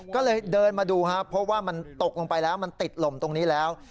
ก็เลยเดินมาดูครับเพราะว่ามันตกลงไปแล้วมันติดลมตรงนี้แล้ว